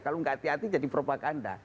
kalau nggak hati hati jadi propaganda